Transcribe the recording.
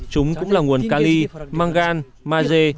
chúng cũng là nguồn cali mangan maze